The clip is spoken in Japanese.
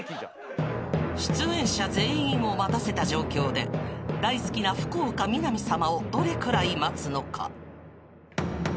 ［出演者全員を待たせた状況で大好きな福岡みなみさまをどれくらい待つのか？］